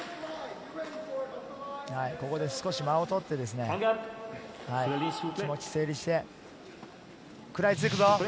ここで少し間を取ってですね、気持ち整理して、食らいつくぞ。